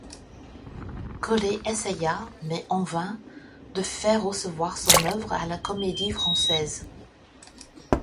Collé essaya, mais en vain, de faire recevoir son œuvre à la Comédie-Française.